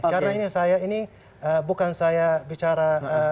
karena ini saya ini bukan saya bicara